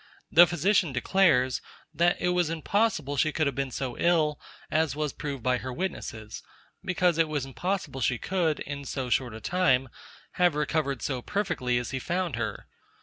The physician declares, that it was impossible she could have been so ill as was proved by witnesses; because it was impossible she could, in so short a time, have recovered so perfectly as he found her.